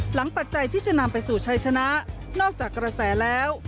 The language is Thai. ปัจจัยที่จะนำไปสู่ชัยชนะนอกจากกระแสแล้ว